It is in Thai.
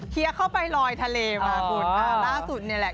เขียนเข้าไปลอยทะเลมาก่อนอ่าล่าสุดเนี้ยแหละ